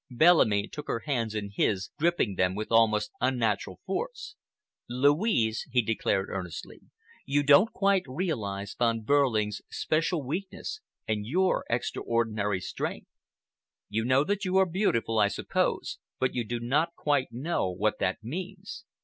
Bellamy took her hands in his, gripping them with almost unnatural force. "Louise," he declared earnestly, "you don't quite realize Von Behrling's special weakness and your extraordinary strength. You know that you are beautiful, I suppose, but you do not quite know what that means.